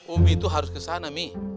umi itu harus ke sana mi